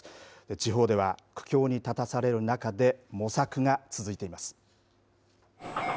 地方では苦境に立たされる中で模索が続いています。